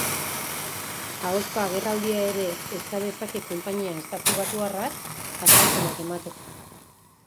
Ahozko agerraldia ere eska dezake konpainia estatubatuarrak, azalpenak emateko.